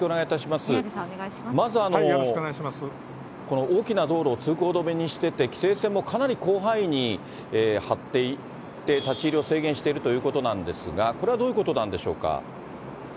まず、この大きな道路を通行止めにしていて、規制線もかなり広範囲に張っていて、立ち入りを制限しているということなんですが、これはどういうことなんでしょうか。